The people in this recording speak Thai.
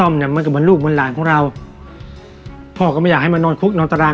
พวกมันก็เป็นประโยคจังแล้วก็เพิ่งมานอนคุกตาราน